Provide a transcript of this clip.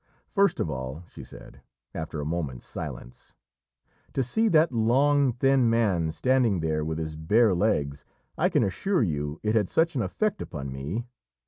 "First of all," she said, after a moment's silence, "to see that long, thin man standing there with his bare legs, I can assure you it had such an effect upon me!